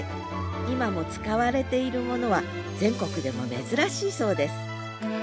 今も使われているものは全国でも珍しいそうです